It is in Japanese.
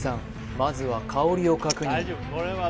まずは香りを確認